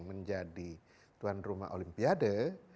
menjadi tuan rumah olimpiade dua ribu tiga puluh dua